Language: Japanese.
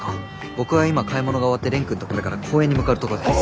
僕は今買い物が終わって蓮くんとこれから公園に向かうところです。